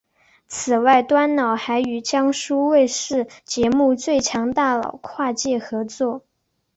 此外端脑还与江苏卫视节目最强大脑跨界合作。